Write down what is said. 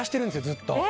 ずっと。